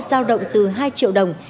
giao động từ hai triệu đồng